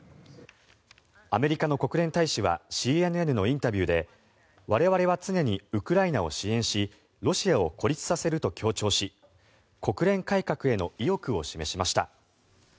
アメリカの国連大使はＣＮＮのインタビューで我々は常にウクライナを支援しロシアを孤立させると強調し国連改革への意欲を示しました。